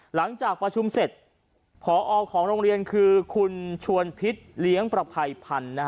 หลังจากประชุมเสร็จพอของโรงเรียนคือคุณชวนพิษเลี้ยงประภัยพันธ์